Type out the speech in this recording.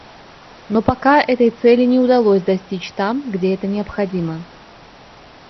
Но пока этой цели не удалось достичь там, где это необходимо.